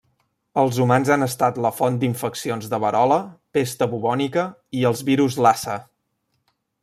Els humans han estat la font d'infeccions de verola, pesta bubònica i els virus Lassa.